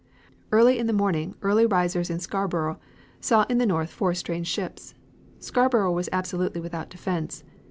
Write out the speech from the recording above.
Early in the morning early risers in Scarborough saw in the north four strange ships. Scarborough was absolutely without defense.